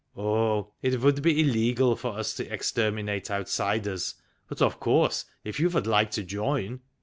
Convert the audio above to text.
"Oh, it would be illegal for us to exterminate outsiders. But of course if you would like to join.